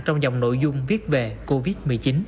trong dòng nội dung viết về covid một mươi chín